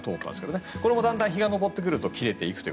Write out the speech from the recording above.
これもだんだん日が昇っていくと切れてくると。